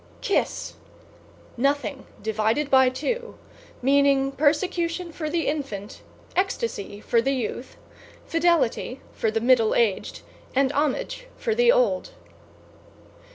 =KISS= Nothing divided by two; meaning persecution for the infant, ecstasy for the youth, fidelity for the middle aged and homage for the old.